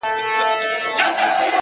په دوزخي غېږ کي به یوار جانان و نه نیسم،